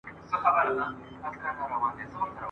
ممکن ستاسو په غفلت کي شرموښ يوسف عليه السلام وخوري.